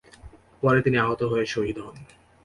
পরে তিনি আহত হয়ে শহীদ হন।